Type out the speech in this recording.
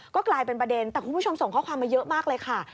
ก็กลายเป็นประเด็นแต่คุณผู้ชมส่งข้อความมาเยอะมากเลยค่ะ